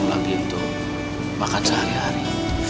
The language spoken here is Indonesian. belum lagi itu makan sehari hari